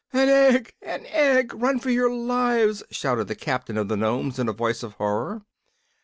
"An egg! an egg! Run for your lives!" shouted the captain of the Nomes, in a voice of horror.